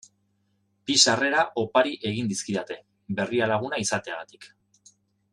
Bi sarrera opari egin dizkidate Berrialaguna izateagatik.